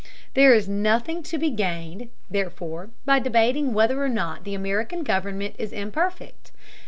There is nothing to be gained, therefore, by debating whether or not American government is imperfect.